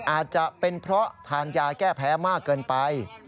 อาจจะเป็นเพราะทานยาแก้แพ้มากเกินไป